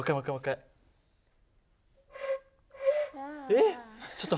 えっ？